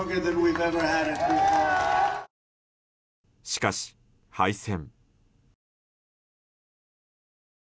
しかし、敗戦。